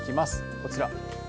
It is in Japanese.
こちら。